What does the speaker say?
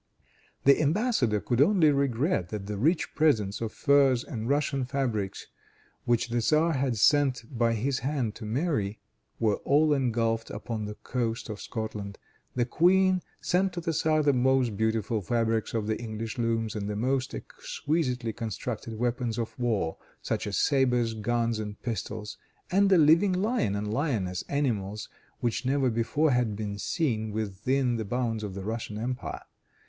The embassador could only regret that the rich presents of furs and Russian fabrics which the tzar had sent by his hand to Mary, were all engulfed upon the coast of Scotland. The queen sent to the tzar the most beautiful fabrics of the English looms, the most exquisitely constructed weapons of war, such as sabers, guns and pistols, and a living lion and lioness, animals which never before had been seen within the bounds of the Russian empire.